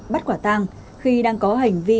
bắt quả tăng khi đang có hành vi